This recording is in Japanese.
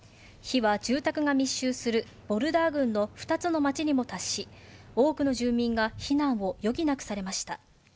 火は住宅が密集するボルダー郡の２つの街にも達し、多くの住民が避難を余儀なくされました。